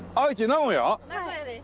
名古屋です。